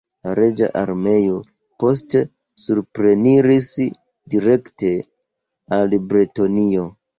La reĝa armeo, poste supreniris direkte al Bretonio.